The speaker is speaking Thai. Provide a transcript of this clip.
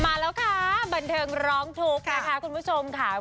มาแล้วค่ะบันเทิงร้องทุกข์นะคะคุณผู้ชมค่ะ